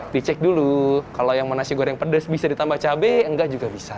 dicek dulu kalau yang mau nasi goreng pedas bisa ditambah cabai enggak juga bisa